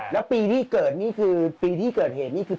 ๑๘แล้วปีที่เกิดเหตุนี้คือปีอะไรครับ